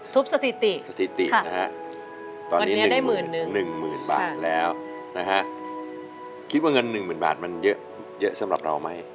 สถิติสถิตินะฮะตอนนี้๑๑๐๐๐บาทแล้วนะฮะคิดว่าเงิน๑๐๐๐บาทมันเยอะสำหรับเราไหม